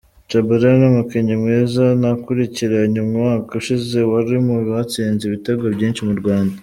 Tchabalala ni umukinnyi mwiza nakurikiranye umwaka ushize, wari mu batsinze ibitego byinshi mu Rwanda.